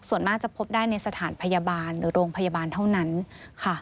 ส่วนมากจะพบได้ในสถานพยาบาลหรือโรงพยาบาลเท่านั้นค่ะ